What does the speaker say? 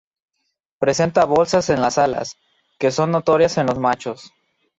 Presenta bolsas en las alas, que son notorias en los machos.